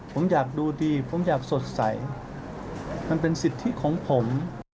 ผมอยากดูดีผมอยากสดใสมันเป็นสิทธิของผม